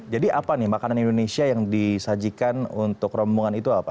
apa nih makanan indonesia yang disajikan untuk rombongan itu apa